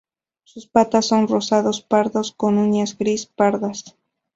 Sus patas son rosado pardas con uñas gris pardas.